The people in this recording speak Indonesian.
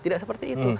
tidak seperti itu